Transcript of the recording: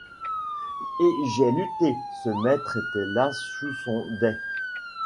Et j'ai lutté. Ce maître était là sous son dais ;